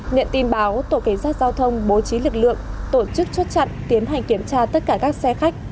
nhận tin báo tổ cảnh sát giao thông bố trí lực lượng tổ chức chốt chặn tiến hành kiểm tra tất cả các xe khách